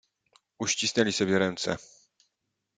"Uścisnęli sobie ręce."